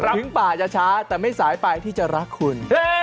ถึงป่าจะช้าแต่ไม่สายไปที่จะรักคุณ